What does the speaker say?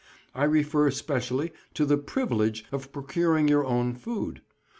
I refer specially to the "privilege" of procuring your own food.